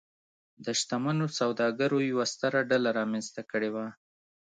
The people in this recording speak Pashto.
د شتمنو سوداګرو یوه ستره ډله رامنځته کړې وه.